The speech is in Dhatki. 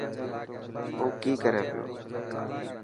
او ڪي ڪري پيو.